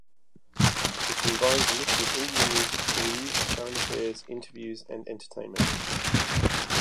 It combines a mix of Indian music, news, current affairs, interviews and entertainment.